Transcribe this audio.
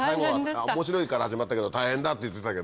面白いから始まったけど大変だって言ってたけど。